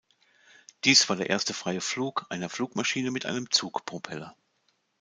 Dies war der erste freie Flug einer Flugmaschine mit einem Zugpropeller.